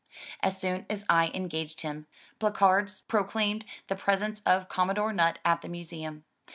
As soon as I engaged him, placards proclaimed the presence of Commodore Nutt at the Museum.